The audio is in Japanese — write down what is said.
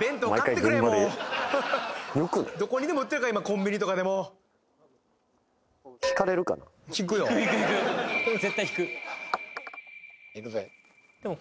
弁当買ってくれもうどこにでも売ってるから今コンビニとかでも引くよ絶対引くいくぜドン！